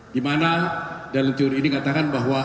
dimana dalam teori ini dikatakan bahwa